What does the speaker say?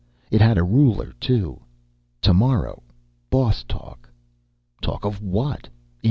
It had a ruler, too "Tomorrow boss talk." Talk of what?